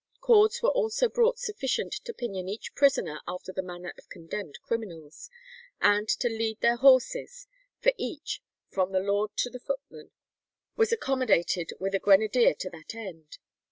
Cords were also brought sufficient to pinion each prisoner after the manner of condemned criminals, and to lead their horses, for each, from the lord to the footman, was accommodated with a grenadier to that end.